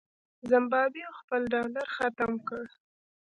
زمبابوې خپل ډالر ختم کړ.